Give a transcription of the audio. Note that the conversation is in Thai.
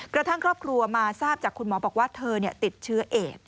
กระทั่งครอบครัวมาทราบจากคุณหมอบอกว่าเธอติดเชื้อเอด